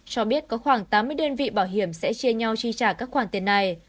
cho biết có khoảng tám mươi đơn vị bảo hiểm sẽ chia nhau chi trả các khoản tiền này